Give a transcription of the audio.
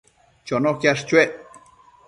Chono quiash chuec